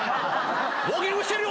ウォーキングしてるよ！